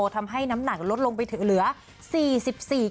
ทำให้น้ำหนักลดลงไปถึงเหลือ๔๔กร